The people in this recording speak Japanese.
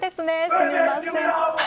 すみません。